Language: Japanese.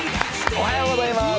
おはようございます。